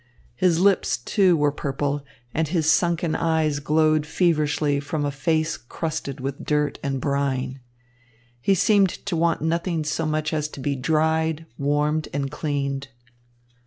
His lips, too, were purple, and his sunken eyes glowed feverishly from a face crusted with dirt and brine. He seemed to want nothing so much as to be dried, warmed and cleaned.